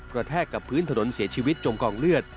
แทกกับพื้นถนนเสียชีวิตจมกองเลือด